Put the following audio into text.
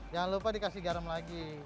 jangan lupa dikasih garam lagi